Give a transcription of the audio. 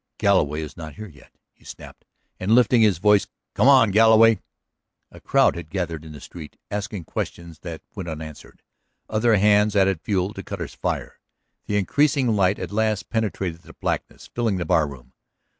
"Galloway is not here yet," he snapped. And, lifting his voice: "Come on, Galloway." A crowd had gathered in the street, asking questions that went unanswered. Other hands added fuel to Cutter's fire. The increasing light at last penetrated the blackness filling the barroom.